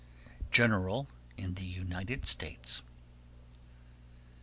_General in the United States.